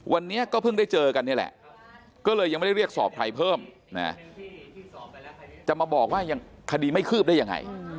วันนี้ก็เพิ่งได้เจอกันนี่แหละก็เลยยังไม่ได้เรียกสอบใครเพิ่มนะจะมาบอกว่ายังคดีไม่คืบได้ยังไง